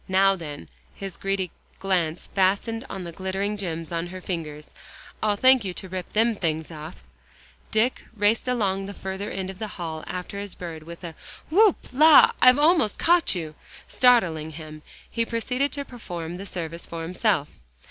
Now then," his greedy glance fastened on the glittering gems on her fingers, "I'll thank you to rip them things off." Dick, racing along the further end of the hall after his bird with a "Whoop, la I've almost caught you," startling him, he proceeded to perform the service for himself.